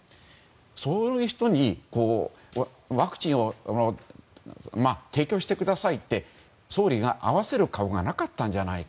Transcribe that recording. そういう人にワクチンを提供してくださいって総理が合わせる顔がなかったんじゃないか。